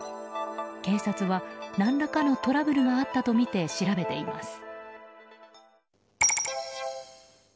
警察は、何らかのトラブルがあったとみて調べています。